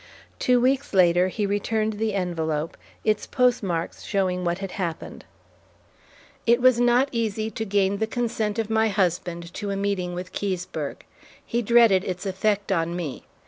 Two weeks later he returned the envelope, its postmarks showing what had happened. It was not easy to gain the consent of my husband to a meeting with Keseberg. He dreaded its effect on me.